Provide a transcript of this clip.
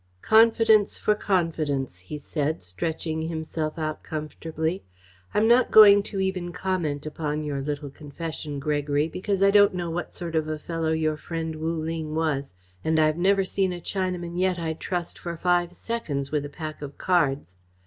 "Confidence for confidence," he said, stretching himself out comfortably. "I'm not going to even comment upon your little confession, Gregory, because I don't know what sort of a fellow your friend Wu Ling was and I've never seen a Chinaman yet I'd trust for five seconds with a pack of cards.